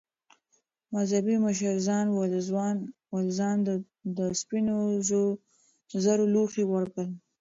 مذهبي مشر ژان والژان ته د سپینو زرو لوښي ورکړل.